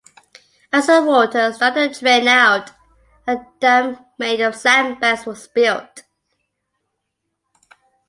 As the water started to drain out, a dam made of sandbags was built.